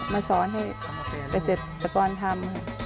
มาสอนให้เกษตรกรทำ